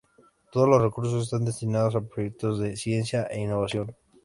Todos los recursos están destinados a proyectos de ciencia e innovación.